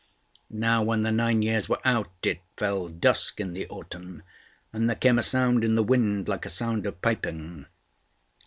Now when the nine years were out, it fell dusk in the autumn, and there came a sound in the wind like a sound of piping.